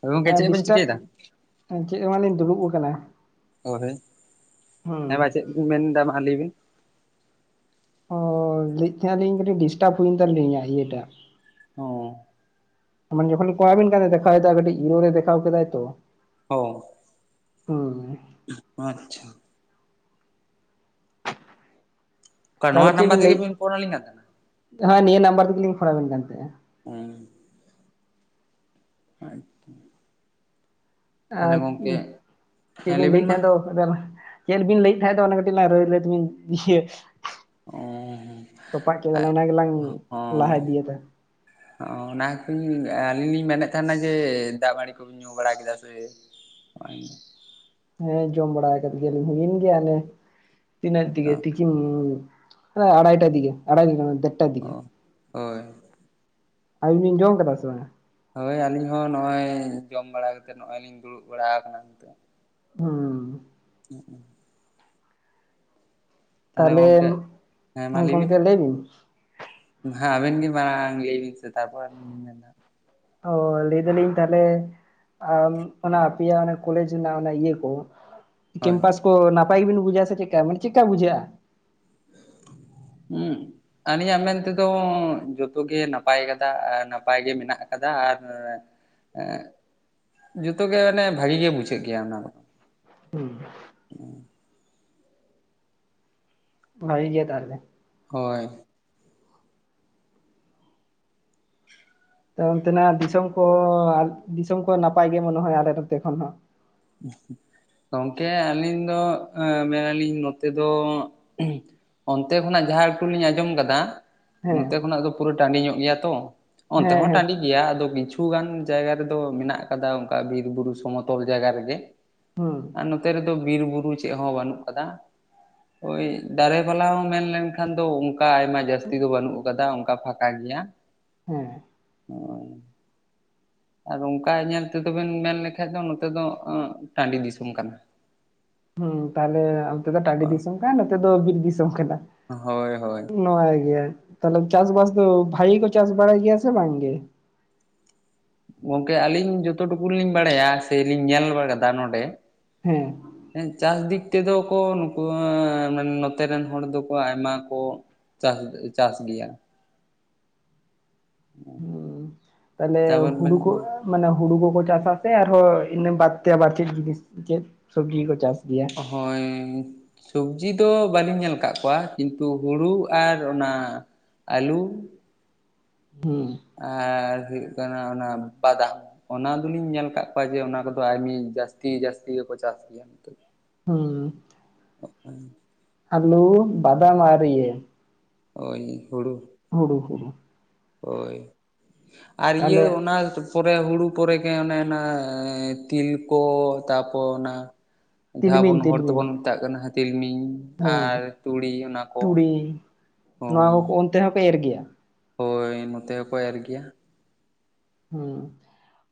ᱦᱳᱭ ᱜᱚᱝᱠᱮ ᱮ ᱪᱮᱫ ᱵᱮᱱ ᱰᱤᱥᱴᱟᱵᱽ ᱪᱤᱠᱟᱹᱭᱮᱫᱟ? ᱪᱮᱫ ᱦᱚᱸᱵᱟᱞᱤᱧ ᱫᱩᱲᱩᱵ ᱟᱠᱟᱱᱟ ᱚᱦᱮ ᱦᱩᱸ ᱦᱮᱸᱢᱟ ᱪᱮᱫ ᱢᱮᱱ ᱮᱫᱟ ᱢᱟ ᱞᱟᱹᱭ ᱵᱤᱱ ᱚ ᱞᱟᱹᱭᱮᱫ ᱛᱟᱦᱮᱱᱟ ᱞᱤᱧ ᱠᱟᱹᱴᱤᱡ ᱰᱤᱥᱴᱟᱵᱽ ᱦᱩᱭᱮᱱ ᱛᱟᱞᱤᱧᱟ ᱤᱭᱟᱹᱴᱟᱜ ᱚ ᱢᱟᱱᱮ ᱡᱚᱠᱷᱚᱱ ᱠᱚᱞᱟᱵᱤᱱ ᱠᱟᱱ ᱛᱟᱦᱮᱱ ᱤᱨᱚᱨ ᱫᱮᱠᱷᱟᱣ ᱠᱮᱫᱟᱭ ᱛᱚ ᱦᱚ ᱦᱩᱸ ᱟᱪᱷᱟ ᱚᱠᱟ ᱱᱚᱣᱟ ᱛᱟᱨᱯᱚᱨᱮ ᱪᱮᱫ ᱱᱟᱢᱵᱟᱨ ᱵᱮᱤᱱ ᱛᱮᱜᱮ ᱞᱟᱹᱭᱮᱫ ᱵᱤᱱ ᱯᱷᱳᱱ ᱟᱹᱞᱤᱧ ᱠᱟᱱ ᱛᱟᱦᱮᱱᱟ? ᱦᱮᱸ ᱱᱤᱭᱟᱹ ᱱᱟᱢᱵᱟᱨ ᱛᱮᱜᱮ ᱞᱤᱧ ᱯᱷᱳᱱ ᱟᱵᱮᱱ ᱠᱟᱱ ᱛᱟᱦᱮᱱᱟ [unintelligible] [inaudible] ᱛᱟᱦᱚᱞᱮ ᱟᱨ ᱜᱚᱝᱠᱮ ᱪᱮᱫ ᱦᱮᱸ ᱞᱟᱹᱭ ᱵᱤᱱ ᱞᱟᱹᱭᱮᱫ ᱢᱟ? ᱛᱟᱦᱮᱸᱜ ᱫᱚ ᱪᱮᱫ ᱵᱤᱱ ᱞᱟᱹᱭᱮᱫ ᱛᱟᱦᱮᱸ ᱫᱚ ᱚᱱᱟ ᱠᱟᱹᱴᱤᱡ ᱞᱟᱝ ᱞᱟᱹᱭ ᱞᱟᱹᱭ ᱛᱵᱤᱱ ᱤᱭᱟᱹ ᱚ ᱛᱚᱯᱟᱜ ᱠᱮᱫᱟᱞᱟᱝ ᱚᱱᱟ ᱜᱮᱞᱟᱝ ᱞᱟᱦᱟ ᱤᱫᱤᱭᱟ ᱚ ᱚᱱᱟᱠᱚᱧ ᱟᱹᱞᱤᱧ ᱞᱤᱧ ᱢᱮᱱᱮᱫ ᱛᱟᱦᱮᱱᱟ ᱡᱮ ᱫᱟᱜᱢᱟᱲᱤ ᱠᱚ ᱧᱩ ᱵᱟᱲᱟ ᱠᱮᱫ [unintelligible] ᱯᱮ ᱦᱮᱸ ᱡᱚᱢ ᱵᱟᱲᱟ ᱟᱠᱟᱫ ᱜᱮᱭᱟᱞᱤᱧ ᱦᱩᱭᱮᱱ ᱜᱮᱭᱟ ᱚᱱᱮ ᱛᱤᱱᱟᱹᱜ ᱫᱤᱜᱮ ᱟᱲᱟᱭᱴᱟ ᱫᱤᱜᱮ ᱟᱲᱟᱭ ᱫᱚ ᱵᱟᱝ ᱫᱮᱰᱴᱟ ᱫᱤᱜᱮ ᱦᱳᱭ ᱟᱵᱤᱱ ᱵᱤᱱ ᱡᱚᱢ ᱠᱟᱫᱟ ᱥᱮ ᱵᱟᱝᱟ ᱦᱳᱭ ᱟᱹᱞᱤᱧ ᱦᱚᱸ ᱱᱚᱜᱼᱚᱭ ᱡᱚᱢ ᱵᱟᱲᱟ ᱠᱟᱛᱮᱜ ᱱᱚᱜᱼᱚᱭ ᱞᱤᱧ ᱫᱩᱲᱩᱵ ᱵᱟᱲᱟ ᱠᱟᱱᱟ ᱱᱤᱛᱚᱜ ᱦᱩᱸ [inaudible] ᱛᱟᱦᱚᱞᱮ ᱛᱟᱦᱞᱮ ᱜᱚᱝᱠᱮ ᱜᱚᱝᱠᱮ ᱞᱟᱹᱭ ᱵᱤᱱ ᱦᱮ ᱟᱵᱮᱱ ᱜᱮ ᱢᱟᱲᱟᱝ ᱞᱟᱹᱭᱵᱤᱱ ᱥᱮ ᱛᱟᱨᱯᱚᱨ ᱟᱞᱤᱧ ᱞᱤᱧ ᱢᱮᱱᱫᱟ ᱚ ᱞᱟᱹᱭ ᱫᱟᱞᱤᱧ ᱛᱟᱦᱞᱮ ᱟ ᱚᱱᱟ ᱟᱯᱮᱭᱟᱜ ᱚᱱᱟ ᱠᱚᱞᱮᱡᱽ ᱨᱮᱱᱟᱜ ᱚᱱᱟ ᱤᱭᱟᱹ ᱠᱚ ᱦᱳᱭ ᱠᱮᱢᱯᱟᱥ ᱠᱚ ᱱᱟᱯᱟᱭ ᱜᱮᱵᱤᱱ ᱵᱩᱡᱟ ᱥᱮ ᱪᱮᱫᱠᱟ ᱢᱟᱱᱮ ᱪᱮᱫᱠᱟ ᱵᱩᱡᱷᱟᱹᱜᱼᱟ ᱦᱩᱸ ᱟᱹᱞᱤᱧᱟᱜ ᱢᱮᱱ ᱛᱮᱫᱚ ᱡᱚᱛᱚᱜᱮ ᱱᱟᱯᱟᱭ ᱠᱟᱫᱟ ᱟᱨ ᱱᱟᱯᱟᱭ ᱜᱮ ᱢᱮᱱᱟᱜ ᱟᱠᱟᱫᱟ ᱟᱨ ᱡᱚᱛᱚ ᱜᱮ ᱢᱟᱱᱮ ᱵᱷᱟᱜᱮ ᱜᱮ ᱵᱩᱡᱷᱟᱹᱜ ᱜᱮᱭᱟ ᱚᱱᱟ ᱫᱚ [unintelligible] ᱵᱷᱟᱜᱮ ᱜᱮ ᱛᱟᱦᱞᱮ ᱦᱳᱭ ᱛᱚ ᱚᱱᱛᱮᱱᱟᱜ ᱫᱤᱥᱚᱢ ᱠᱚ ᱫᱤᱥᱚᱢ ᱠᱚ ᱱᱟᱯᱟᱭ ᱜᱮ ᱢᱚᱱᱮᱦᱚᱭ ᱟᱞᱮ ᱱᱚᱛᱮ ᱠᱷᱚᱱ ᱦᱚᱸ ᱜᱚᱝᱠᱮ ᱟᱹᱞᱤᱧ ᱫᱚ ᱢᱮᱱᱟᱞᱤᱧ ᱱᱚᱛᱮ ᱫᱚ ᱚᱱᱛᱮ ᱠᱷᱚᱱᱟᱜ ᱡᱟᱦᱟᱸ ᱮᱠᱴᱩ ᱞᱤᱧ ᱟᱸᱡᱚᱢ ᱠᱟᱫᱟ ᱦᱮᱸ ᱱᱚᱛᱮ ᱠᱷᱚᱱᱟᱜ ᱫᱚ ᱯᱩᱨᱟᱹ ᱴᱟᱺᱰᱤ ᱧᱚᱜ ᱜᱮᱭᱟ ᱛᱚ ᱚᱱᱛᱮ ᱦᱮᱸ ᱦᱚᱸ ᱦᱮᱸ ᱴᱟᱺᱰᱤ ᱜᱮᱭᱟ ᱟᱫᱚ ᱠᱤᱪᱷᱩ ᱜᱟᱱ ᱡᱟᱭᱜᱟ ᱨᱮᱫᱚ ᱢᱮᱱᱟᱜ ᱠᱟᱫᱟ ᱚᱱᱠᱟ ᱵᱤᱨᱵᱩᱨᱩ ᱥᱚᱢᱚᱛᱚᱞ ᱡᱟᱭᱜᱟ ᱨᱮᱜᱮ ᱦᱩᱸ ᱟᱨ ᱱᱚᱛᱮ ᱨᱮᱫᱚ ᱵᱤᱨ ᱵᱩᱨᱩ ᱪᱮᱫ ᱦᱚᱸ ᱵᱟᱹᱱᱩᱜ ᱠᱟᱫᱟ ᱫᱟᱨᱮ ᱯᱟᱞᱟ ᱦᱚᱸ ᱢᱮᱱᱞᱮᱱᱠᱷᱟᱱ ᱫᱚ ᱚᱱᱠᱟ ᱟᱭᱢᱟ ᱡᱟᱹᱥᱛᱤ ᱫᱚ ᱵᱟᱹᱱᱩᱜ ᱠᱟᱫᱟ ᱚᱱᱠᱟ ᱯᱷᱟᱸᱠᱟ ᱜᱮᱭᱟ ᱦᱮᱸ [unintelligible] ᱟᱨ ᱚᱱᱠᱟ ᱧᱮᱞ ᱛᱮᱫᱚ ᱵᱮᱱ ᱢᱮᱱ ᱞᱮᱠᱷᱟᱱ ᱫᱚ ᱱᱚᱛᱮ ᱫᱚ ᱴᱟᱺᱰᱤ ᱫᱤᱥᱚᱢ ᱠᱟᱱᱟ ᱦᱩᱸ ᱛᱟᱦᱞᱮ ᱚᱱᱛᱮ ᱫᱚ ᱴᱟᱺᱰᱤ ᱫᱤᱥᱚᱢ ᱠᱟᱱᱟ ᱱᱚᱛᱮ ᱫᱚ ᱵᱤᱨ ᱫᱤᱥᱚᱢ ᱠᱟᱱᱟ ᱦᱳᱭ ᱦᱳᱭ ᱱᱟᱯᱟᱭ ᱜᱮᱭᱟ ᱛᱟᱦᱞᱮ ᱪᱟᱥᱵᱟᱥ ᱫᱚ ᱵᱷᱟᱜᱮ ᱜᱮᱠᱚ ᱪᱟᱥ ᱵᱟᱲᱟᱭ ᱜᱮᱭᱟ ᱥᱮ ᱵᱟᱝ ᱜᱮ ᱜᱚᱝᱠᱮ ᱟᱹᱞᱤᱧ ᱡᱚᱛᱚ ᱴᱩᱠᱩ ᱞᱤᱧ ᱵᱟᱲᱟᱭᱟ ᱥᱮᱞᱤᱧ ᱧᱮᱞ ᱵᱟᱲᱟ ᱠᱟᱫᱟ ᱱᱚᱰᱮ ᱦᱮᱸ ᱦᱮᱸ ᱪᱟᱥ ᱫᱤᱠ ᱛᱮᱫᱚ ᱠᱚ ᱱᱩᱠᱩ ᱱᱚᱛᱮ ᱨᱮᱱ ᱦᱚᱲ ᱫᱚᱠᱚ ᱟᱭᱢᱟ ᱠᱚ ᱪᱟᱥ ᱪᱟᱥ ᱜᱮᱭᱟ ᱦᱩᱸ ᱛᱟᱦᱞᱮ ᱛᱟᱨᱯᱚᱨ ᱦᱩᱲᱩ ᱵᱮᱱ ᱠᱚ ᱢᱟᱱᱮ ᱦᱩᱲᱩ ᱠᱚᱠᱚ ᱪᱟᱥᱟ ᱥᱮ ᱟᱨᱦᱚᱸ ᱤᱱᱟᱹ ᱵᱟᱫ ᱛᱮ ᱟᱵᱟᱨ ᱪᱮᱫ ᱡᱤᱱᱤᱥ ᱪᱮᱫ ᱥᱚᱵᱽᱡᱤᱠᱚ ᱪᱟᱥ ᱜᱮᱭᱟ ᱦᱚᱭ ᱥᱚᱵᱽᱡᱤ ᱫᱚ ᱵᱟᱹᱞᱤᱧ ᱧᱮᱞ ᱠᱟᱜ ᱠᱚᱣᱟ ᱠᱤᱱᱛᱩ ᱦᱩᱲᱩ ᱟᱨ ᱚᱱᱟ ᱟᱞᱩ ᱦᱩᱸ ᱟᱨ ᱦᱩᱭᱩᱜ ᱠᱟᱱᱟ ᱚᱱᱟ ᱵᱟᱫᱟᱢ ᱚᱱᱟ ᱫᱚᱞᱤᱧ ᱧᱮᱞ ᱟᱠᱟᱫ ᱠᱚᱣᱟ ᱡᱮ ᱚᱱᱟ ᱠᱚᱫᱚ ᱟᱭᱢᱤ ᱡᱟᱹᱥᱛᱤ ᱡᱟᱹᱥᱛᱤ ᱜᱮᱠᱚ ᱪᱟᱥ ᱜᱮᱭᱟ ᱱᱤᱛᱚᱜ। ᱦᱩᱸ [unintelligible] ᱟᱞᱩ ᱵᱟᱫᱟᱢ ᱟᱨ ᱤᱭᱟᱹ। ᱦᱳᱭ ᱦᱩᱲᱩ ᱼᱼ ᱦᱩᱲᱩ ᱦᱩᱲᱩ ᱦᱳᱭ ᱟᱨ ᱤᱭᱟᱹ ᱛᱟᱦᱞᱮ ᱚᱱᱟ ᱼᱼ ᱛᱟᱨᱯᱚᱨᱮ ᱦᱩᱲᱩ ᱯᱚᱨᱮ ᱜᱮ ᱚᱱᱮ ᱚᱱᱟ ᱛᱤᱞ ᱠᱚ ᱛᱟᱯᱚᱨ ᱚᱱᱟ ᱼᱼ ᱡᱟᱦᱟᱸ ᱵᱚᱱ ᱛᱤᱞᱢᱤᱧ ᱦᱚᱲ ᱛᱤᱞᱢᱤᱧ ᱛᱮᱵᱚᱱ ᱢᱮᱛᱟᱜ ᱠᱟᱱᱟ ᱛᱤᱞᱢᱤᱧ ᱟᱨ ᱦᱮᱸ ᱛᱩᱲᱤ ᱚᱱᱟ ᱠᱚ। ᱛᱩᱲᱤ ᱦᱳᱭ ᱱᱚᱣᱟ ᱠᱚ ᱚᱱᱛᱮ ᱦᱚᱸᱯᱮ ᱮᱨ ᱜᱮᱭᱟ? ᱦᱳᱭ ᱱᱚᱛᱮ ᱦᱚᱸᱠᱚ ᱮᱨ ᱜᱮᱭᱟ। ᱦᱩᱸ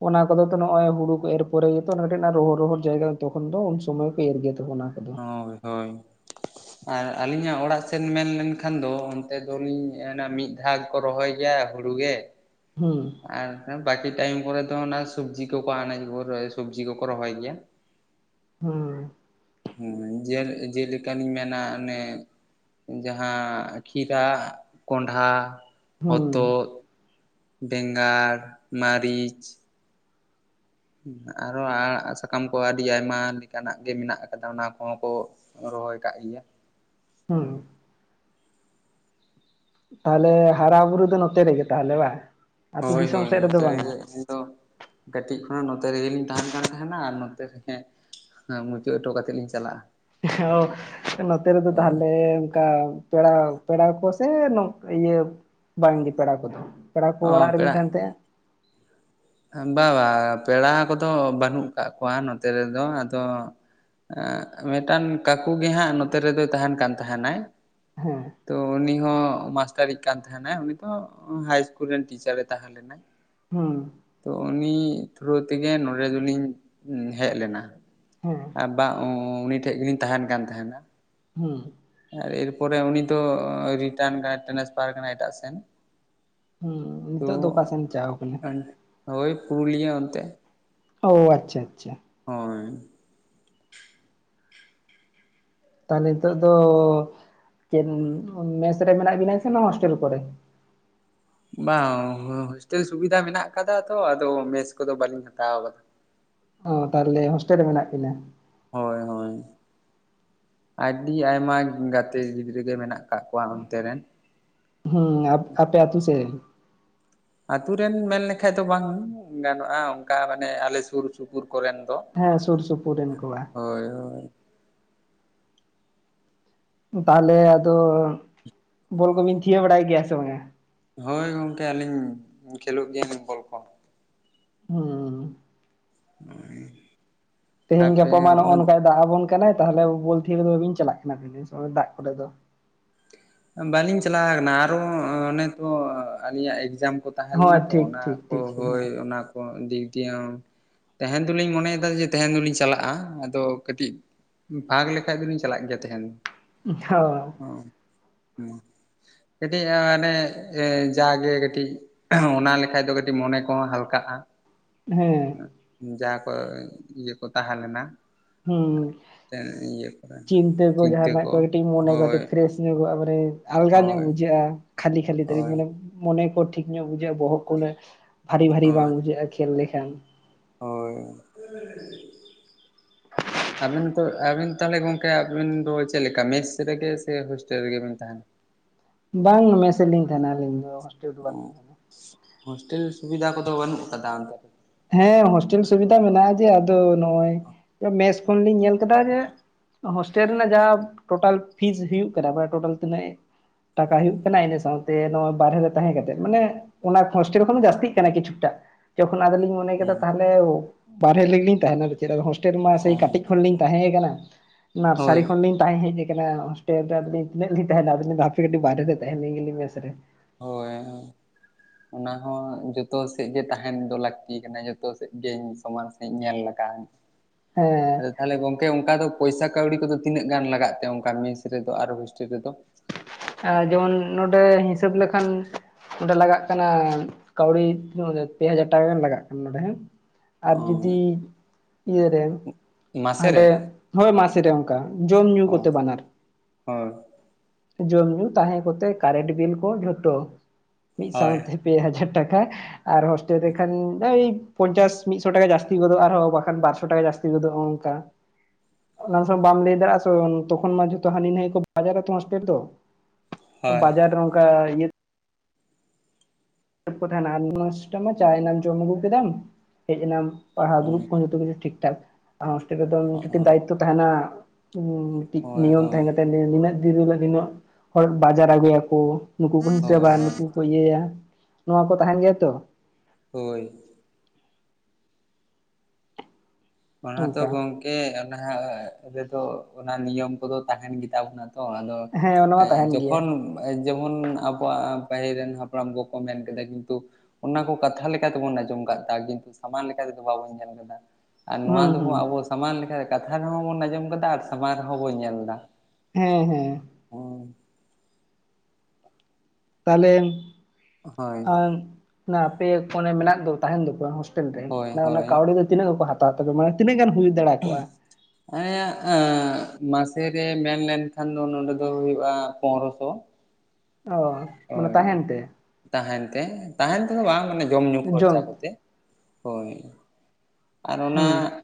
ᱚᱱᱟ ᱠᱚᱫᱚ ᱱᱚᱜ ᱚᱭ ᱦᱩᱲᱩ ᱠᱚ ᱮᱨ ᱯᱚᱨᱮ ᱜᱮᱛᱚ ᱠᱟᱹᱴᱤᱡ ᱱᱷᱟᱜ ᱨᱚᱦᱚᱲ ᱨᱚᱦᱚᱲ ᱡᱟᱭᱜᱟ ᱛᱚᱠᱷᱚᱱ ᱫᱚ ᱩᱱ ᱥᱚᱢᱚᱭ ᱠᱚ ᱮᱨ ᱜᱮ ᱚᱱᱟ ᱠᱟᱫᱚ ᱦᱳᱭ ᱦᱳᱭ ᱟᱨ ᱟᱹᱞᱤᱧᱟᱜ ᱚᱲᱟᱜ ᱥᱮᱱ ᱢᱮᱱ ᱞᱮᱱᱠᱷᱟᱱ ᱫᱚ ᱚᱱᱛᱮ ᱫᱚᱞᱤᱧ ᱮᱱᱟ ᱢᱤᱫ ᱼᱼ ᱡᱟᱦᱟ ᱜᱮ ᱠᱚ ᱨᱚᱦᱚᱭ ᱜᱮᱭᱟ ᱦᱩᱲᱩᱜᱮ। ᱦᱩᱸ ᱟᱨ ᱵᱟᱠᱤ ᱴᱟᱭᱤᱢ ᱠᱚᱨᱮ ᱫᱚ ᱚᱱᱟ ᱥᱚᱵᱡᱤ ᱠᱚᱠᱚ ᱟᱱᱟᱡ ᱠᱚ ᱠᱚ ᱥᱚᱵᱡᱤ ᱠᱚᱠᱚ ᱨᱚᱦᱚᱭ ᱜᱮᱭᱟ। [unintelligible] ᱦᱩᱸ ᱡᱮ ᱡᱮᱞᱮᱠᱟᱞᱤᱧ ᱢᱮᱱᱟ ᱚᱱᱮ ᱼᱼ ᱡᱟᱦᱟᱸ ᱠᱷᱤᱨᱟ ᱠᱚᱸᱰᱷᱟ ᱦᱚᱛᱚᱛ। ᱦᱩᱸ ᱵᱮᱸᱜᱟᱲ ᱢᱟᱹᱨᱤᱪ। ᱟᱨᱚᱦ ᱟᱲᱟᱜ ᱥᱟᱠᱟᱢ ᱠᱚ ᱟᱹᱰᱤ ᱟᱭᱢᱟ ᱞᱮᱠᱟᱱᱟᱜ ᱜᱮ ᱢᱮᱱᱟᱜ ᱟᱠᱟᱫᱟ᱾ ᱚᱱᱟ ᱠᱚᱦᱚᱸ ᱠᱚ ᱼᱼ ᱨᱚᱦᱚᱭ ᱠᱟᱜ ᱜᱮᱭᱟ। ᱦᱩᱸ ᱛᱟᱦᱟᱞᱮ ᱦᱟᱨᱟ ᱵᱩᱨᱩ ᱫᱚ ᱱᱚᱛᱮ ᱨᱮᱜᱮ ᱛᱟᱦᱟᱞᱮ ᱵᱟ᱾ ᱟ ᱟᱹᱛᱩ ᱦᱳᱭ ᱫᱤᱥᱚᱢ ᱦᱳᱭ ᱥᱮᱫ ᱱᱚᱛᱮ ᱨᱮᱫᱚ ᱵᱟᱝᱟ? ᱨᱮᱜᱮ ᱤᱧ ᱫᱚ ᱠᱟᱹᱴᱤᱡ ᱠᱷᱚᱱᱟᱜ ᱱᱚᱛᱮ ᱨᱮᱜᱮᱞᱤᱧ ᱛᱟᱦᱮᱱ ᱠᱟᱱ ᱛᱟᱦᱮᱱᱟ᱾ ᱟᱨ ᱱᱚᱛᱮ ᱨᱮ ᱼᱼ ᱦᱮᱸ ᱢᱩᱪᱟᱹᱫ ᱦᱚᱴᱚ ᱠᱟᱛᱮᱫ ᱞᱤᱧ ᱪᱟᱞᱟᱜᱼᱟ। ᱦᱚ ᱱᱚᱛᱮ ᱨᱮᱫᱚ ᱦᱳᱭ ᱛᱟᱦᱟᱞᱮ ᱚᱱᱠᱟ ᱼᱼ ᱯᱮᱲᱟ ᱯᱮᱲᱟ ᱠᱚ ᱥᱮ ᱱᱚᱝ ᱤᱭᱟᱹ ᱵᱟᱝᱜᱮ ᱯᱮᱲᱟ ᱠᱚᱫᱚ? ᱯᱮᱲᱟ ᱠᱚ ᱚ ᱚᱲᱟᱜ ᱨᱮᱵᱤᱱ ᱛᱟᱦᱮᱱ [inaudible] ᱵᱟᱝ ᱵᱟᱝ ᱯᱮᱲᱟ ᱠᱚᱫᱚ ᱵᱟᱹᱱᱩᱜ ᱠᱟᱜ ᱠᱚᱣᱟ ᱱᱚᱛᱮ ᱨᱮᱫᱚ᱾ ᱟᱫᱚ ᱼᱼ ᱮᱸᱻ ᱢᱤᱫᱴᱟᱱ ᱠᱟᱠᱩ ᱜᱮ ᱦᱟᱸᱜ ᱱᱚᱛᱮ ᱨᱮᱫᱚᱭ ᱛᱟᱦᱮᱱ ᱠᱟᱱ ᱛᱟᱦᱮᱱᱟᱭ᱾ ᱦᱮᱸ ᱛᱚ ᱩᱱᱤ ᱦᱚᱸ ᱢᱟᱥᱴᱟᱨᱤᱡ ᱠᱟᱱ ᱛᱟᱦᱮᱱᱟᱭ ᱩᱱᱤ ᱫᱚᱚ ᱦᱟᱭ ᱤᱥᱠᱩᱞ ᱨᱮᱱ ᱴᱤᱪᱟᱨᱮ ᱛᱟᱦᱮᱸ ᱞᱮᱱᱟᱭ। ᱦᱩᱸ ᱛᱚ ᱩᱱᱤ ᱛᱷᱚᱨᱳ ᱛᱮᱜᱮ ᱱᱚᱰᱮ ᱫᱚᱞᱤᱧ ᱦᱮᱡ ᱞᱮᱱᱟ। ᱦᱮᱸ ᱟᱨ ᱵᱟᱝ ᱩᱱᱤ ᱴᱷᱮᱡ ᱜᱮᱞᱤᱧ ᱛᱟᱦᱮᱱ ᱠᱟᱱ ᱛᱟᱦᱮᱱᱟ। ᱦᱩᱸ ᱮᱨᱯᱚᱨᱮ ᱩᱱᱤ ᱫᱚ ᱨᱤᱴᱟᱱ ᱠᱟᱱᱟ ᱴᱮᱱᱮᱥᱯᱷᱟᱨ ᱠᱟᱱᱟᱭ ᱮᱴᱟᱜ ᱥᱮᱱ। ᱦᱩᱸ ᱛᱚ ᱱᱤᱛᱚᱜ ᱫᱚ ᱚᱠᱟ ᱥᱮᱱ ᱪᱟᱣ ᱠᱟᱱᱟᱭ? ᱦᱳᱭ ᱯᱩᱨᱩᱞᱤᱭᱟᱹ ᱚᱱᱛᱮ। ᱚᱻ ᱟᱪᱪᱷᱟ ᱟᱪᱪᱷᱟ। ᱦᱳᱭ ᱛᱟᱦᱟᱞᱮ ᱱᱤᱛᱚᱜ ᱫᱚ ᱪᱮᱫ ᱢᱮᱥ ᱨᱮ ᱢᱮᱱᱟᱜ ᱵᱤᱱᱟ ᱥᱮ ᱱᱚᱭᱟ ᱦᱚᱳᱥᱴᱮᱞ ᱠᱚᱨᱮ? ᱵᱟᱝ ᱦᱳᱥᱴᱮᱞ ᱥᱩᱵᱤᱫᱷᱟ ᱢᱮᱱᱟᱜ ᱟᱠᱟᱫᱟ ᱛᱚ ᱟᱫᱚ ᱢᱮᱥ ᱠᱚᱫᱚ ᱵᱟᱹᱞᱤᱧ ᱦᱟᱛᱟᱣ ᱟᱠᱟᱫᱟ। [inaudible] ᱚ ᱛᱟᱦᱚᱞᱮ ᱦᱳᱥᱴᱮᱞ ᱨᱮ ᱢᱮᱱᱟᱜ ᱠᱤᱱᱟᱹ ᱦᱳᱭ ᱦᱳᱭ ᱟᱹᱰᱤ ᱟᱭᱢᱟ ᱜᱟᱛᱮ ᱜᱤᱫᱽᱨᱟᱹ ᱜᱮ ᱢᱮᱱᱟᱜ ᱟᱠᱟᱫ ᱠᱚᱣᱟ ᱚᱱᱛᱮ ᱨᱮᱱ᱾ ᱦᱩᱸ ᱟᱯᱮ ᱛᱩ ᱥᱮᱱ ᱟᱛᱳ ᱨᱮᱱ ᱢᱮᱱ ᱞᱮᱠᱷᱟᱡ ᱫᱚ ᱵᱟᱝ ᱜᱟᱱᱚᱜᱼᱟ᱾ ᱚᱱᱠᱟ ᱢᱟᱱᱮ ᱟᱞᱮ ᱥᱩᱨ ᱥᱩᱯᱩᱨ ᱠᱚᱨᱮᱱ ᱫᱚ ᱦᱮᱸ ᱥᱩᱨ ᱥᱩᱯᱩᱨ ᱨᱮᱱ ᱠᱚᱣᱟ᱾ ᱦᱳᱭ ᱦᱳᱭ ᱛᱟᱦᱚᱞᱮ ᱟᱫᱚ ᱵᱚᱞ ᱠᱚᱵᱤᱱ ᱛᱷᱤᱭᱟᱹ ᱵᱟᱲᱟᱭ ᱜᱮᱭᱟ ᱥᱮ ᱵᱟᱝ ᱟ? ᱦᱳᱭ ᱜᱚᱝᱠᱮ ᱟᱹᱞᱤᱧ ᱠᱷᱮᱞᱳᱜ ᱜᱮᱭᱟ ᱵᱚᱞ ᱠᱚ᱾ ᱦᱮᱸ ᱦᱩᱸ ᱛᱮᱦᱮᱧ ᱟᱯᱮ ᱜᱟᱯᱟ ᱢᱟ ᱱᱚᱜᱼᱚᱭ ᱱᱚᱝᱠᱟᱭ ᱫᱟᱜ ᱟᱵᱚᱱ ᱠᱟᱱᱟᱭ ᱛᱟᱦᱚᱞᱮ ᱵᱚᱞ ᱛᱷᱤᱭᱟᱹ ᱨᱮᱫᱚ ᱵᱟᱹᱵᱤᱱ ᱪᱟᱞᱟᱜ ᱠᱟᱱᱟ ᱫᱟᱜ ᱠᱚᱨᱮ ᱫᱚ ᱵᱟᱹᱞᱤᱧ ᱪᱟᱞᱟᱣ ᱠᱟᱱᱟ ᱟᱨᱚ ᱚᱱᱮ ᱛᱚ ᱟᱹᱞᱤᱧᱟᱜ ᱮᱠᱡᱟᱢ ᱠᱚ ᱛᱟᱦᱮᱸ ᱞᱮᱱᱟ ᱦᱳᱭ ᱛᱚ ᱴᱷᱤᱠ ᱚᱱᱟ ᱴᱷᱤᱠ ᱠᱚ ᱴᱷᱤᱠ ᱦᱳᱭ᱾ ᱦᱮᱸ ᱚᱱᱟ ᱠᱚ ᱫᱤᱠ ᱫᱤᱭᱮ ᱛᱮᱦᱮᱧ ᱫᱚᱞᱤᱧ ᱢᱚᱱᱮᱭ ᱮᱫᱟ ᱡᱮ ᱛᱮᱧ ᱫᱚᱞᱤᱧ ᱪᱟᱞᱟᱜᱼᱟ᱾ ᱟᱫᱚ ᱠᱟᱹᱴᱤᱡ ᱯᱷᱟᱜ ᱞᱮᱠᱷᱟᱡ ᱫᱚᱞᱤᱧ ᱪᱟᱞᱟᱜ ᱜᱮᱭᱟ ᱛᱮᱦᱮᱧ ᱫᱚ ᱦᱳ [inaudible] ᱦᱩᱸ ᱞᱟᱹᱭ ᱫᱟᱹᱧ ᱠᱟᱹᱴᱤᱡ ᱢᱟᱱᱮ ᱡᱟᱜᱮ ᱠᱟᱹᱴᱤᱡ ᱚᱱᱟ ᱞᱮᱠᱷᱟᱡ ᱫᱚ ᱠᱟᱹᱴᱤᱡ ᱢᱚᱱᱮ ᱠᱚᱦᱚᱸ ᱦᱟᱞᱠᱟᱜᱼᱟ᱾ ᱦᱮᱸ ᱡᱟᱦᱟᱸ ᱠᱚ ᱤᱭᱟᱹ ᱠᱚ ᱛᱟᱦᱮᱸ ᱞᱮᱱᱟ᱾ ᱦᱩᱸ ᱤᱭᱟᱹ ᱠᱚᱨᱮ ᱪᱤᱱᱛᱟᱹ ᱠᱚ ᱡᱟᱦᱟᱱᱟᱜ ᱠᱚ ᱠᱟᱹᱴᱤᱡ ᱢᱚᱱᱮ ᱦᱳᱭ ᱠᱟᱹᱴᱤᱡ ᱯᱷᱨᱮᱥ ᱧᱚᱜᱼᱟ ᱵᱚᱞᱮ ᱟᱞᱜᱟ ᱧᱚᱜ ᱦᱳᱭ ᱵᱩᱡᱷᱟᱹᱜᱼᱟ᱾ ᱠᱷᱟᱹᱞᱤ ᱠᱷᱟᱹᱞᱤ ᱛᱮ ᱦᱳᱭ ᱢᱟᱱᱮ ᱢᱚᱱᱮ ᱠᱚ ᱴᱷᱤᱠ ᱧᱚᱜ ᱵᱩᱡᱷᱟᱹᱜᱼᱟ ᱵᱚᱦᱚᱜ ᱠᱚᱨᱮ ᱵᱷᱟᱨᱤ ᱵᱷᱟᱹᱨᱤ ᱵᱟᱝ ᱦᱳᱭ ᱵᱩᱡᱷᱟᱹᱜᱼᱟ ᱠᱷᱮᱞ ᱞᱮᱠᱷᱟᱱ ᱦᱳᱭ ᱟᱵᱤᱱ ᱫᱚ ᱟᱵᱤᱱ ᱛᱟᱦᱚᱞᱮ ᱜᱚᱝᱠᱮ ᱟᱵᱤᱱ ᱫᱚ ᱪᱮᱫ ᱞᱮᱠᱟ ᱢᱮᱥ ᱨᱮᱜᱮ ᱥᱮ, ᱦᱳᱥᱴᱮᱞ ᱨᱮᱜᱮ ᱵᱤᱱ ᱛᱟᱦᱮᱱᱟ? ᱵᱟᱝ ᱢᱮᱥ ᱞᱤᱧ ᱛᱟᱦᱮᱸᱱᱟ ᱟᱹᱞᱤᱧ ᱫᱚ᱾ ᱚ ᱵᱟᱹᱞᱤᱧ ᱛᱟᱦᱮᱱᱟ ᱦᱳᱥᱴᱮᱞ ᱥᱩᱵᱤᱫᱟ ᱠᱚᱫᱚ ᱵᱟᱹᱱᱩᱜ ᱟᱠᱟᱫᱟ ᱚᱱᱛᱮ ᱨᱮ ᱦᱮᱸ ᱦᱳᱥᱴᱮᱞ ᱥᱩᱵᱤᱫᱷᱟ ᱢᱮᱱᱟᱜᱼᱟ᱾ ᱡᱮ ᱟᱫᱚ ᱱᱚᱜᱚᱭ ᱢᱮᱥ ᱠᱷᱚᱱᱞᱤᱧ ᱧᱮᱞ ᱠᱮᱫᱟ ᱡᱮ ᱦᱳᱥᱴᱮᱞ ᱨᱮᱱᱟᱜ ᱡᱟᱦᱟ ᱴᱳᱴᱟᱞ ᱯᱷᱤᱡ ᱦᱩᱭᱩᱜ ᱠᱟᱱᱟ ᱴᱳᱴᱟᱞ ᱛᱤᱱᱟᱹᱜ ᱴᱟᱠᱟ ᱦᱩᱭᱩᱜ ᱠᱟᱱᱟ ᱤᱱᱟᱹ ᱥᱟᱶᱛᱮ ᱱᱚᱜᱚᱭ ᱵᱟᱨᱦᱮ ᱨᱮ ᱛᱟᱦᱮᱸ ᱠᱟᱛᱮᱜ᱾ᱢᱟᱱᱮ ᱚᱱᱟ ᱦᱳᱥᱴᱮᱞ ᱠᱷᱚᱱ ᱡᱟᱹᱛᱤᱜ ᱠᱟᱱᱟ ᱠᱤᱪᱷᱩ ᱴᱟᱜ ᱚᱱᱟ ᱫᱚᱞᱤᱧ ᱢᱚᱱᱮ ᱠᱮᱫᱟ ᱦᱮᱸ ᱛᱟᱦᱚᱞᱮ ᱵᱟᱨᱦᱮ ᱨᱮ ᱞᱤᱧ ᱛᱟᱦᱮᱸᱱᱟ ᱟᱨᱠᱤ ᱪᱮᱫᱟᱜ ᱦᱳᱥᱴᱮᱞ ᱢᱟ ᱚ ᱥᱮᱭ ᱠᱟᱹᱴᱤᱡ ᱠᱷᱚᱱ ᱞᱤᱧ ᱛᱟᱦᱮᱸ ᱦᱳᱭ ᱠᱟᱱᱟ᱾ᱱᱟᱨᱥᱟᱨᱤ ᱠᱷᱚᱱᱞᱤᱧ ᱛᱟᱦᱮᱸ ᱠᱟᱱᱟ᱾ ᱯᱮ [unintelligible] ᱛᱤᱱᱟᱹᱜ ᱞᱤᱧ ᱛᱟᱦᱮᱱᱟ᱾ᱦᱟᱯᱮ ᱠᱟᱹᱴᱤᱡ ᱵᱟᱦᱨᱮ ᱛᱟᱦᱮᱱ ᱞᱮᱱ ᱜᱮ ᱢᱮᱥ ᱨᱮ᱾ ᱦᱳᱭ ᱚᱱᱟ ᱦᱚᱸ ᱡᱚᱛᱚ ᱥᱮᱫ ᱜᱮ ᱛᱟᱦᱮᱸᱱ ᱫᱚ ᱞᱟᱹᱠᱛᱤ ᱠᱟᱱᱟ᱾ ᱡᱚᱛᱚ ᱥᱮᱫ ᱜᱮᱧ ᱥᱚᱢᱟᱡᱽ ᱥᱮᱫ ᱤᱧ ᱧᱮᱞ ᱞᱮᱠᱟ᱾ [inaudible] ᱦᱮᱸᱻ ᱟᱫᱚ ᱛᱟᱦᱚᱞᱮ ᱜᱚᱢᱠᱮ ᱚᱱᱠᱟ ᱫᱚ ᱯᱚᱭᱥᱟ ᱠᱟᱹᱣᱰᱤ ᱠᱚᱫᱚ ᱛᱤᱱᱟᱹᱜ ᱜᱟᱱ ᱞᱟᱜᱟᱜ ᱛᱮ᱾ ᱚᱱᱠᱟ ᱢᱮᱥ ᱨᱮᱫᱚ ᱟᱨ ᱦᱳᱥᱴᱮᱞ ᱨᱮᱫᱚ ᱡᱮᱢᱚᱱ ᱱᱚᱸᱰᱮ ᱦᱤᱥᱟᱹᱵ ᱞᱮᱠᱷᱟᱱ ᱚᱸᱰᱮ ᱞᱟᱜᱟᱜ ᱠᱟᱱᱟ ᱠᱟᱹᱣᱰᱤ ᱯᱮ ᱦᱟᱡᱟᱨ ᱴᱟᱠᱟ ᱜᱟᱱ ᱞᱟᱜᱟᱜ ᱠᱟᱱᱟ ᱱᱚᱰᱮᱸ ᱚ ᱟᱨ ᱡᱩᱫᱤ ᱤᱭᱟᱹ ᱨᱮ ᱢᱟᱥᱮ ᱨᱮ ᱦᱟᱸᱰᱮ ᱦᱳᱭ ᱢᱟᱥᱮ ᱨᱮ ᱚᱱᱠᱟ ᱠᱟ ᱡᱚᱢ ᱧᱩ ᱠᱚᱛᱮ ᱵᱟᱱᱟᱨ ᱦᱚᱭ ᱡᱚᱢ ᱧᱩ ᱛᱟᱦᱮᱸ ᱠᱚᱛᱮ ᱠᱟᱨᱮᱱᱴ ᱵᱤᱞ ᱠᱚ ᱡᱷᱚᱛᱚ ᱢᱤᱫ ᱦᱳᱭ ᱥᱟᱶᱛᱮ ᱯᱮ ᱦᱟᱡᱟᱨ ᱴᱟᱠᱟ᱾ ᱟᱨ ᱦᱳᱥᱴᱮᱞ ᱛᱮᱠᱷᱟᱱ ᱳᱭ ᱯᱚᱧᱪᱟᱥ ᱢᱤᱫᱥᱚ ᱴᱟᱠᱟ ᱡᱟᱹᱥᱛᱤ ᱜᱚᱫᱚᱜ, ᱟᱨᱦᱚᱸ ᱵᱟᱠᱷᱟᱱ ᱵᱟᱨᱥᱚ ᱴᱟᱠᱟ ᱡᱟᱹᱥᱛᱤ ᱜᱚᱫᱚᱜ ᱚᱱᱠᱟ ᱚᱱᱟ ᱫᱚ ᱵᱟᱢ ᱞᱟᱹᱭ ᱫᱟᱲᱮᱭᱟᱜ-ᱟ᱾ ᱛᱚᱠᱷᱚᱱ ᱢᱟ ᱡᱚᱛᱚ ᱦᱟᱱᱤ ᱱᱟᱭ ᱠᱚ, ᱵᱟᱡᱟᱨ ᱨᱮ ᱛᱚ ᱦᱳᱥᱴᱮᱞ ᱫᱚ᱾ ᱦᱳᱭ ᱵᱟᱡᱟᱨ ᱚᱱᱠᱟ ᱠᱚ ᱛᱟᱦᱮᱸᱱᱟ ᱟᱨ ᱢᱥᱴᱟᱢᱟ ᱪᱟᱭᱱᱟᱢ ᱡᱚᱢ ᱟᱹᱜᱩ ᱠᱮᱫᱟᱢ ᱦᱮᱡ ᱮᱱᱟᱢ, ᱯᱟᱲᱦᱟᱜ ᱫᱲᱩᱵ ᱠᱷᱚᱱ ᱡᱚᱛᱚ ᱠᱤᱪᱩ ᱴᱷᱤᱠ ᱴᱷᱟᱠ ᱦᱚᱥᱴᱮᱞ ᱨᱮᱫᱚ ᱦᱳᱭ ᱫᱟᱭᱤᱛᱚ ᱛᱟᱸᱦᱮᱱᱟ, ᱦᱳᱭ ᱱᱤᱭᱚᱢ ᱛᱟᱦᱮᱸᱱᱟ ᱱᱤᱱᱟᱹᱜ ᱫᱤᱱ ᱦᱤᱞᱳᱜ ᱱᱤᱱᱟᱹᱜ ᱦᱚᱲ ᱵᱟᱡᱟᱨ ᱟᱹᱜᱩᱭᱟᱠᱚ᱾ ᱱᱩᱠᱩ ᱠᱚ ᱦᱳᱭ ᱦᱤᱥᱟᱹ ᱦᱳᱭ ᱱᱩᱠᱩ ᱠᱚ ᱤᱭᱟᱹᱭᱟ, ᱱᱚᱣᱟ ᱠᱚ ᱛᱟᱦᱮᱱ ᱜᱮᱭᱟ ᱛᱚ᱾ ᱦᱳᱭ᱾ ᱚᱱᱟ ᱛᱚ ᱚᱱᱠᱟ ᱜᱚᱝᱠᱮ ᱚᱱᱟ ᱨᱮᱫᱚ ᱚᱱᱟ ᱱᱤᱭᱚᱢ ᱠᱚᱫᱚ ᱛᱟᱦᱮᱱ ᱜᱮᱛᱟ ᱵᱚᱱᱟ᱾ ᱛᱚ ᱟᱫᱚ ᱦᱮᱸ ᱚᱱᱟ ᱮᱻ ᱢᱟ ᱛᱟᱦᱮᱱ ᱜᱮᱭᱟ ᱡᱚᱠᱷᱚᱱ ᱡᱮᱢᱚᱱ ᱟᱵᱚᱣᱟᱜ ᱯᱟᱹᱦᱤᱞ ᱨᱮᱱ ᱦᱟᱯᱲᱟᱢ ᱠᱚᱠᱚ ᱢᱮᱱ ᱠᱮᱫᱟ ᱠᱤᱱᱛᱩ ᱚᱱᱟ ᱠᱚ ᱠᱟᱛᱷᱟ ᱞᱮᱠᱟᱛᱮᱵᱚᱱ ᱟᱸᱡᱚᱢ ᱟᱠᱟᱜ ᱠᱤᱱᱛᱩ ᱥᱟᱢᱟᱱ ᱞᱮᱠᱟᱛᱮᱫᱚ ᱵᱟᱵᱧ ᱧᱮᱞ ᱠᱟᱫᱟ᱾ ᱟᱨ ᱱᱚᱣᱟ ᱦᱩᱸ ᱦᱩᱸ ᱫᱚᱵᱚᱱ ᱟᱵᱚ ᱥᱟᱢᱟᱱ ᱞᱮᱠᱟ ᱠᱟᱛᱷᱟ ᱨᱮᱦᱚᱸ ᱵᱚᱱ ᱟᱸᱡᱚᱢ ᱠᱟᱫᱟ ᱟᱨ ᱥᱟᱢᱟᱱ ᱨᱮᱦᱚᱸ ᱵᱚᱱ ᱧᱮᱞ ᱫᱟ᱾ ᱦᱮᱸ ᱦᱮᱸ᱾ ᱚᱻ ᱛᱟᱦᱚᱞᱮ ᱦᱳᱭ ᱟᱻ ᱚᱱᱟ ᱟᱯᱮ ᱚᱱᱮ ᱢᱮᱱᱟᱜ ᱫᱚ ᱛᱟᱸᱦᱮᱱ ᱫᱚᱠᱚ ᱦᱳᱭ ᱨᱮ ᱚᱱᱟ ᱦᱳᱭ ᱠᱟᱹᱣᱰᱤ ᱫᱚ ᱛᱤᱱᱟᱹᱜ ᱠᱚᱠᱚ ᱦᱟᱛᱣ ᱛᱟᱠᱚᱣᱟ ᱢᱟᱱᱮ ᱛᱤᱱᱟᱹᱜ ᱜᱟᱱ ᱦᱩᱭ ᱫᱟᱲᱮ ᱠᱚᱜᱼᱟ? ᱮᱸ ᱮᱻ ᱱᱟᱥᱮ ᱜᱮ ᱢᱮᱱᱞᱮᱱᱠᱷᱟᱱ ᱫᱚ ᱱᱚᱰᱮ ᱫᱚ ᱦᱩᱭᱩᱜᱼᱟ ᱯᱚᱱᱨᱚᱥᱚ, ᱚ᱾ ᱢᱟᱱᱮ ᱦᱳᱭ ᱛᱟᱦᱮᱱ ᱛᱮ ᱛᱟᱦᱮᱱ ᱛᱮ ᱛᱟᱦᱮᱱ ᱛᱮᱫᱚ ᱵᱟᱝ ᱢᱟᱱᱮ ᱡᱚᱢ ᱧᱩ ᱠᱷᱚᱨᱪᱟ ᱡᱚᱢ ᱠᱚᱛᱮ᱾ ᱦᱳᱭ᱾ ᱟᱨ ᱚᱱᱟ ᱦᱩᱸ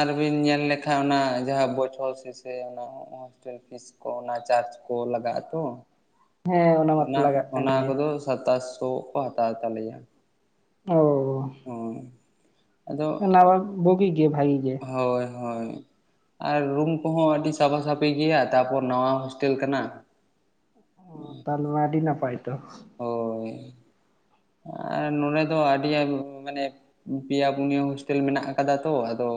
ᱟᱨᱵᱤᱱ ᱧᱮᱞ ᱞᱮᱠᱷᱟᱱ ᱚᱱᱟ ᱡᱟᱦᱟᱸ ᱵᱚᱪᱷᱚᱨ ᱥᱮᱥᱮ ᱚᱱᱟ, ᱦᱳᱥᱴᱮᱞ ᱯᱷᱤᱥ ᱠᱚ ᱚᱱᱟ ᱪᱟᱨᱡ ᱠᱚ ᱞᱟᱜᱟᱜᱼᱟ ᱛᱚ, ᱦᱮᱸ ᱚᱱᱟ ᱢᱟᱛᱚ ᱞᱟᱜᱟᱜ ᱠᱟᱱ ᱚᱱᱟ ᱜᱮ ᱠᱚᱫᱚ ᱥᱟᱛᱟᱥ ᱥᱚ ᱠᱚ ᱦᱟᱛᱟᱣ ᱛᱟᱞᱮᱭᱟ᱾ ᱚᱻ ᱚ ᱟᱫᱚ [unintelligible] ᱵᱷᱩᱜᱤ ᱜᱮ ᱵᱷᱟᱹᱜᱤ ᱜᱮ᱾ ᱦᱳᱭ ᱦᱳᱭ᱾ ᱟᱨ ᱨᱩᱢ ᱠᱚᱦᱚᱸ ᱟᱹᱰᱤ ᱥᱟᱯᱷᱟ ᱥᱟᱹᱯᱷᱤ ᱜᱮᱭᱟ ᱛᱟᱯᱚᱨ ᱱᱟᱣᱟ ᱦᱳᱥᱴᱮᱞ ᱠᱟᱱᱟ᱾ ᱚ ᱛᱟᱦᱚᱞᱮ ᱟᱹᱰᱤ ᱱᱟᱯᱟᱭ ᱛᱚ᱾ ᱦᱳᱭ ᱟᱨ ᱱᱚᱰᱮ ᱫᱚ ᱟᱹᱰᱤ ᱟ ᱢᱟᱱᱮ ᱯᱮᱭᱟ ᱯᱩᱱᱭᱟᱹ ᱦᱳᱥᱴᱮᱞ ᱢᱮᱱᱟᱜ ᱟᱠᱟᱫᱟ ᱛᱚ ᱟᱫᱚ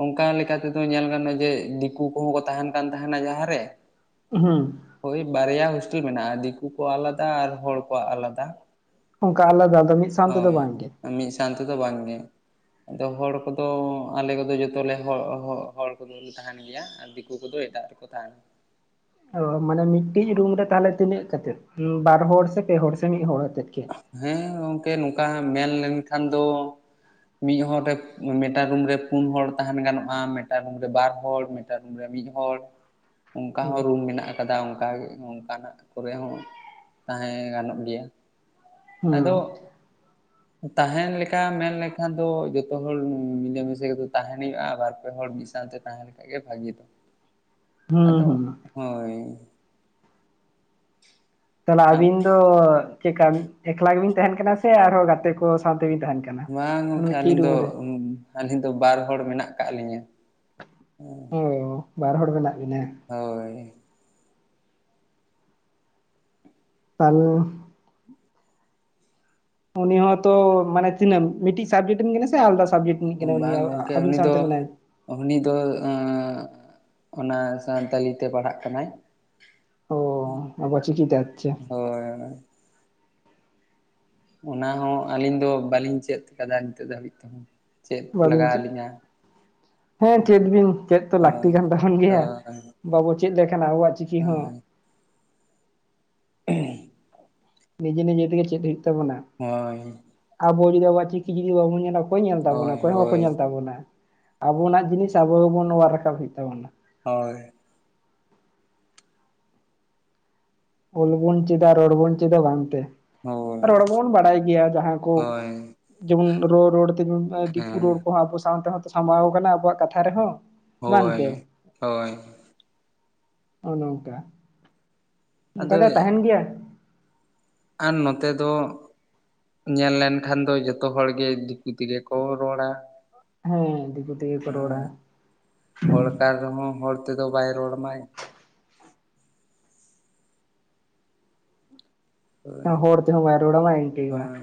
ᱚᱱᱠᱟ ᱞᱮᱠᱟ ᱛᱮᱫᱚ ᱧᱮᱞ ᱜᱟᱱᱚᱜᱼᱟ ᱡᱮ ᱫᱤᱠᱩ ᱠᱚᱦᱚᱸ ᱠᱚ ᱛᱟᱸᱦᱮᱱ ᱠᱟᱱ ᱛᱟᱸᱦᱮᱱᱟ ᱡᱟᱦᱟᱸᱨᱮ, ᱦᱩ᱾ ᱦᱳᱭ ᱵᱟᱨᱭᱟ ᱦᱳᱥᱴᱮᱞ ᱢᱮᱱᱟᱜᱼᱟ, ᱫᱤᱠᱩ ᱠᱚᱣᱟᱜ ᱟᱞᱟᱫᱟ ᱟᱨ ᱦᱚᱲ ᱠᱚᱣᱟᱜ ᱟᱞᱟᱫᱟ᱾ ᱚᱱᱠᱟ ᱟᱞᱟᱫᱟ ᱫᱚ ᱢᱤᱥ ᱦᱳᱭ ᱢᱤᱫ ᱥᱟᱣᱛᱮᱫᱚ ᱵᱟᱝᱜᱮ᱾ ᱟᱫᱚ ᱦᱚᱲ ᱠᱚᱫᱚ ᱟᱞᱮ ᱠᱚᱫᱚ ᱡᱚᱛᱚᱞᱮ ᱦᱚ ᱦᱚ ᱦᱚᱲ ᱠᱚᱫᱚᱞᱮ ᱛᱟᱸᱦᱮᱱ ᱜᱮᱭᱟ᱾ ᱟᱨ ᱫᱤᱠᱩ ᱠᱚᱫᱚ ᱮᱴᱜ ᱨᱮᱠ ᱛᱟᱸᱦᱮᱱᱟ᱾ ᱚ ᱢᱟᱱᱮ ᱢᱤᱫᱴᱤᱡ ᱨᱩᱢ ᱨᱮ ᱛᱟᱦᱚᱞᱮ ᱛᱤᱱᱟᱹᱜ ᱠᱟᱛᱮᱫ ᱵᱟᱨ ᱦᱚᱲ ᱥᱮ ᱯᱮ ᱦᱚᱲ ᱥᱮ ᱢᱤᱫ ᱦᱚᱲ ᱟᱛᱮᱫ ᱜᱮ? ᱦᱮᱸ ᱜᱚᱝᱠᱮ ᱱᱚᱝᱠᱟ ᱢᱮᱱ ᱞᱮᱱᱠᱷᱟᱱ ᱫᱚ, ᱢᱤᱫ ᱦᱚᱲ ᱨᱮ ᱢᱤᱫᱴᱟᱝ ᱨᱩᱢ ᱨᱮ ᱯᱩᱱ ᱦᱚᱲ ᱛᱟᱦᱮᱱ ᱜᱟᱱᱚᱜᱼᱟ, ᱢᱤᱫᱴᱟᱝ ᱨᱩᱢ ᱨᱮ ᱵᱟᱨ ᱦᱚᱲ, ᱢᱮᱫ ᱴᱟᱝ ᱨᱩᱢ ᱨᱮ ᱢᱤᱫ ᱦᱚᱲ᱾ ᱚᱱᱠᱟ ᱦᱩᱸ ᱦᱚᱸ ᱨᱩᱢ ᱢᱮᱱᱟᱜ ᱟᱠᱟᱫᱟ ᱚᱱᱠᱟᱜ ᱚᱱᱠᱟᱱᱟᱜ ᱠᱚᱨᱮ ᱦᱚᱸ ᱛᱟᱦᱮᱸ ᱜᱟᱱᱚᱜ ᱜᱮᱭᱟ᱾ ᱟᱫᱚ ᱦᱩᱸ ᱛᱟᱦᱮᱱ ᱞᱮᱠᱟ ᱢᱮᱱᱞᱠᱷᱟᱱ ᱫᱚ ᱡᱚᱛᱚ ᱦᱚᱲ ᱢᱤᱞᱮ ᱢᱤᱥᱮ ᱜᱮᱛᱚ ᱛᱟᱦᱮᱱ ᱦᱩᱭᱩᱜᱼᱟ ᱵᱟᱨ ᱯᱮ ᱦᱚᱲ ᱢᱤᱫ ᱥᱟᱶᱛᱮ ᱛᱟᱸᱦᱮᱞᱮᱠᱟ ᱜᱮ ᱵᱷᱟᱹᱜᱤ ᱫᱚ᱾ ᱦᱩᱸ ᱟᱫᱚᱜ ᱦᱩᱸ ᱦᱳᱭ᱾ ᱛᱟᱦᱚᱞᱮ ᱟᱨ ᱟᱵᱤᱱ ᱫᱚ ᱪᱮᱫᱠᱟ ᱮᱠᱞᱟ ᱵᱤᱱ ᱛᱟᱸᱦᱮᱱ ᱠᱟᱱᱟ ᱥᱮ ᱟᱨᱦᱚᱸ ᱜᱟᱛᱮ ᱠᱚ ᱥᱟᱶᱛᱮᱵᱤᱱ ᱛᱟᱦᱮᱱ ᱠᱟᱱᱟ᱾ ᱵᱟᱝ ᱜᱚᱢᱠᱮ ᱢᱤᱫᱴᱤᱡ ᱟᱹᱞᱤᱧ ᱨᱩᱢ ᱫᱚ ᱨᱮ ᱟᱹᱞᱤᱧ ᱫᱚ ᱵᱟᱨ ᱦᱚᱲ ᱢᱮᱱᱟᱜ ᱠᱟᱜ ᱞᱤᱧᱟᱹ᱾ ᱚ ᱵᱟᱨ ᱦᱚᱲ ᱢᱮᱱᱟᱜ ᱵᱤᱱᱟ? ᱦᱳᱭ᱾ [unintelligible] ᱩᱱᱤ ᱦᱚᱸᱛᱚ ᱢᱟᱱᱮ ᱛᱤᱱᱟᱹᱜ ᱢᱤᱫᱴᱤᱡ ᱥᱟᱵᱡᱮᱠᱴ ᱠᱟᱱᱟ ᱥᱮ ᱟᱞᱟᱫᱟ ᱥᱟᱵᱡᱮᱠᱴ? [unintelligible] ᱟᱵᱤᱱ ᱥᱟᱶᱛᱮ ᱢᱮᱱᱟᱭ ᱾ ᱩᱦᱩᱱᱤ ᱫᱚ ᱚᱱᱟ ᱥᱟᱱᱛᱟᱲᱤ ᱛᱮ ᱯᱟᱲᱦᱟᱜ ᱠᱟᱱᱟᱭ ᱾ ᱚ ᱟᱵᱚ ᱪᱤᱠᱤᱛᱮ ᱟᱪᱪᱷᱟ ᱾ ᱦᱳᱭ ᱚᱱᱟ ᱦᱚᱸ ᱟᱹᱞᱤᱧ ᱫᱚ ᱵᱟᱹᱞᱤᱧ ᱪᱮᱫ ᱟᱠᱟᱫᱟ ᱱᱤᱛᱚᱜ ᱫᱷᱟᱹᱵᱤᱡ ᱛᱮᱦᱚᱸ ᱪᱮᱫ ᱵᱟᱵᱤᱱ ᱞᱟᱜᱟᱣ ᱪᱮᱫ ᱟᱹᱞᱤᱧᱟ? ᱦᱮᱸ ᱪᱮᱫ ᱵᱤᱱ ᱪᱮᱫ ᱛᱚ ᱞᱟᱹᱠᱛᱤ ᱦᱳᱭ ᱠᱟᱱ ᱛᱟᱵᱚᱱ ᱜᱮᱭᱟ ᱵᱟᱵᱚ ᱪᱮᱫ ᱞᱮᱠᱷᱟᱜ ᱟᱵᱚᱣᱟᱜ ᱪᱤᱠᱤ ᱦᱚᱸ [unintelligible] ᱱᱤᱡᱮ ᱱᱤᱡᱮ ᱛᱮᱜᱮ ᱪᱮᱫ ᱦᱩᱭᱩᱜ ᱛᱟᱵᱚᱱᱟ ᱾ ᱦᱳᱭ ᱾ ᱟᱵᱚ ᱡᱩᱫᱤ ᱟᱵᱚᱜ ᱪᱤᱠᱤ ᱡᱩᱫᱤ ᱵᱟᱵᱚᱱ ᱧᱮᱞᱟ, ᱚᱠᱚᱭ ᱧᱮᱞ ᱛᱟᱵᱚᱱᱟ ᱦᱳᱭ ᱦᱳᱭ ᱚᱠᱚᱭ ᱦᱚᱸ ᱵᱟᱠᱚ ᱦᱳᱭ ᱧᱮᱞ ᱛᱟᱵᱚᱱᱟ ᱟᱵᱚᱱᱟᱜ ᱡᱤᱱᱤᱥ ᱟᱵᱚ ᱜᱮᱵᱚᱱ ᱚᱭᱟᱹᱨ ᱨᱟᱠᱟᱵ ᱦᱩᱭᱩᱜ ᱛᱟᱵᱚᱱᱟ ᱾ ᱦᱳᱭ ᱾ ᱚᱞ ᱵᱚᱱ ᱪᱮᱫᱟ ᱨᱚᱲ ᱵᱚᱱ ᱪᱮᱫᱟ ᱵᱟᱝᱛᱮ ᱦᱳᱭ ᱨᱚᱲ ᱵᱚᱱ ᱵᱟᱲᱟᱭ ᱜᱮᱭᱟ ᱡᱟᱦᱟᱸ ᱠᱚ ᱦᱳᱭ ᱡᱮᱢᱚᱱ ᱨᱚᱲ ᱨᱚᱲ ᱛᱮ ᱡᱮᱢ ᱫᱤᱠᱩ ᱦᱮᱸ ᱨᱚᱲ ᱠᱚᱦᱚᱸ ᱟᱵᱚ ᱥᱟᱶ ᱛᱮᱦᱚᱛᱚ ᱥᱟᱢᱵᱟᱣ ᱠᱟᱱᱟ ᱟᱵᱚᱣᱟᱜ ᱠᱟᱛᱷᱟ ᱨᱮᱦᱚᱸ ᱦᱳᱭ ᱵᱟᱝᱛᱮ ᱦᱳᱭ ᱱᱚᱜᱼᱚ ᱱᱚᱝᱠᱟ ᱾ ᱚᱱᱠᱟ ᱟᱫᱚ ᱜᱮ ᱛᱟᱦᱮᱱ ᱜᱮᱭᱟ ᱾ ᱟᱨ ᱱᱚᱛᱮ ᱫᱚ ᱧᱮᱞ ᱞᱮᱱᱠᱷᱟᱱ ᱫᱚ ᱡᱚᱛᱚ ᱦᱚᱲ ᱜᱮ ᱫᱤᱠᱤ ᱛᱮᱜᱮ ᱠᱚ ᱨᱚᱲᱟ ᱾ ᱦᱮᱸ ᱫᱤᱠᱩ ᱛᱮᱜᱮ ᱠᱚ ᱨᱚᱲᱟ ᱦᱮᱸ ᱦᱚᱲ ᱠᱟᱱ ᱨᱮᱦᱚᱸ ᱦᱚᱲ ᱛᱮᱫᱚ ᱵᱟᱭ ᱨᱚᱲ ᱟᱢᱟᱭ ᱾ ᱦᱳᱭ ᱦᱚᱲ ᱛᱮᱦᱚᱸ ᱵᱟᱭ ᱨᱚᱲ ᱟᱢᱟᱭ ᱤᱱᱠᱟᱹᱜᱮ ᱵᱟᱝ ᱦᱳᱭ